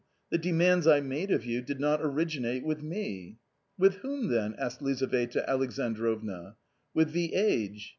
The de mands I made of you did not originate with me." " With whom then ?" asked Lizaveta Alexandrovna. u With the age."